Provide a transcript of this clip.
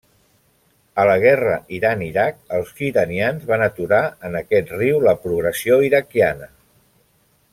A la guerra Iran-Iraq, els iranians van aturar en aquest riu la progressió iraquiana.